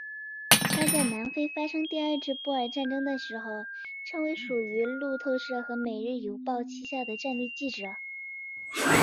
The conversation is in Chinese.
他在南非发生第二次布尔战争的时候成为属于路透社和每日邮报膝下的战地记者。